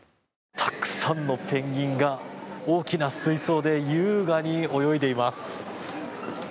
たくさんのペンギンが大きな水槽で優雅に泳いでいます。